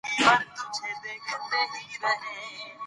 د روغتیا ساتنه د مور لویه مسوولیت ده.